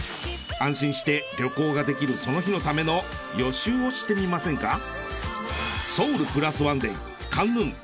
安心して旅行ができるその日のための予習をしてみませんか？